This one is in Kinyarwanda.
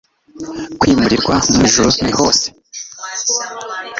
kwimurirwa mu ijuru no hose